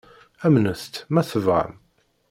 Amnet-tt, ma tebɣam.